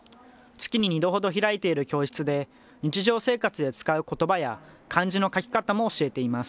月に２度ほど開いている教室で、日常生活で使うことばや、漢字の書き方も教えています。